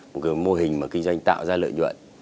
một cái mô hình mà kinh doanh tạo ra lợi nhuận